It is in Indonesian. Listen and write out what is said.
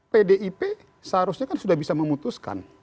pdip seharusnya kan sudah bisa memutuskan